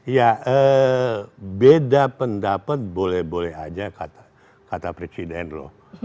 ya beda pendapat boleh boleh aja kata presiden loh